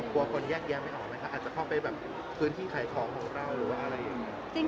กับคนแยกไม่ออกไหมคืนพื้นที่ขายของกำลัง